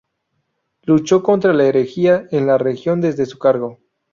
Luchó contra la herejía en la región desde su cargo.